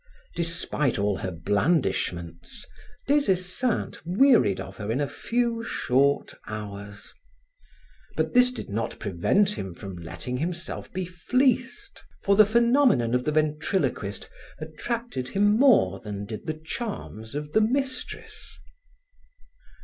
Despite all her blandishments, Des Esseintes wearied of her in a few short hours. But this did not prevent him from letting himself be fleeced, for the phenomenon of the ventriloquist attracted him more than did the charms of the mistress.